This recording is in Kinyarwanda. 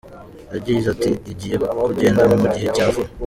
Yagize ati “Agiye kugenda mu gihe cya vuba.